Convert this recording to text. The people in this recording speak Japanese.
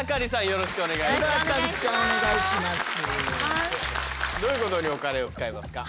よろしくお願いします。